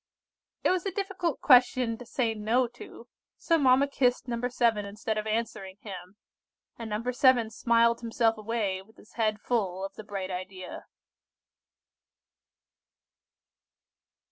It was a difficult question to say "No" to, so mamma kissed No. 7, instead of answering him, and No. 7 smiled himself away, with his head full of the bright idea.